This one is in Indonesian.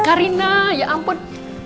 karina ya ampun